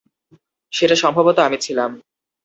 সেটা সম্ভবত আমি ছিলাম।